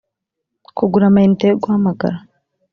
kugura ama inite yo guhamagara